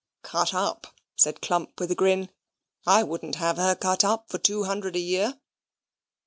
"Cut up," says Clump with a grin; "I wouldn't have her cut up for two hundred a year."